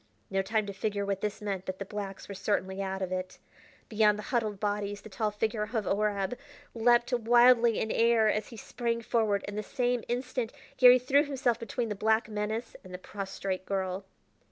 No time to figure what this meant, but the blacks were certainly out of it. Beyond the huddled bodies the tall figure of Horab leaped wildly in air as he sprang forward, and in the same instant Garry threw himself between the black menace and the prostrate girl.